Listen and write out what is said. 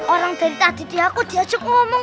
orang dari taditi aku diajak ngomong